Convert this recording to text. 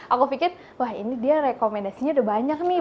aku pikir wah ini dia rekomendasinya udah banyak nih